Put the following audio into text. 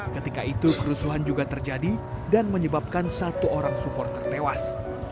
ketika itu kerusuhan juga terjadi dan menyebabkan satu orang supporter tewas